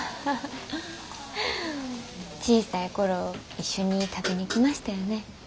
小さい頃一緒に食べに来ましたよね。